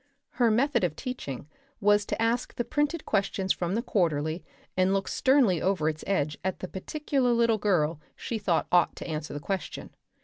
Her method of teaching was to ask the printed questions from the quarterly and look sternly over its edge at the particular little girl she thought ought to answer the question.